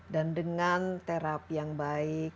dan dengan terapi yang baik